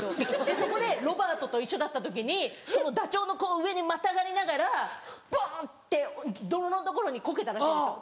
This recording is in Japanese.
そこでロバートと一緒だった時にダチョウの上にまたがりながらボン！って泥の所にコケたらしいんですよ。